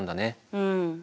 うん。